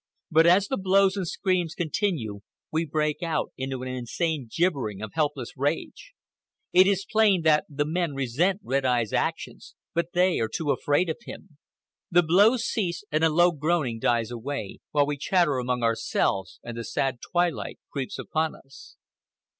But as the blows and screams continue we break out into an insane gibbering of helpless rage. It is plain that the men resent Red Eye's actions, but they are too afraid of him. The blows cease, and a low groaning dies away, while we chatter among ourselves and the sad twilight creeps upon us.